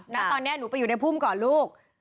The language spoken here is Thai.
ณตอนนี้หนูไปอยู่ในพุ่มก่อนลูก